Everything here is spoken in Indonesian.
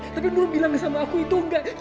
tapi dulu bilang sama aku itu enggak